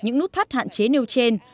những nút thắt hạn chế nêu trên